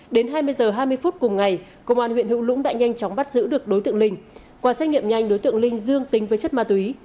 đến hai mươi h hai mươi phút cùng ngày công an huyện hữu lũng đã nhanh chóng bắt giữ được đối tượng linh qua xét nghiệm nhanh đối tượng linh dương tính với chất ma túy